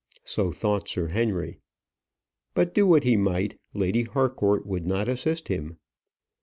So thought Sir Henry. But do what he might, Lady Harcourt would not assist him.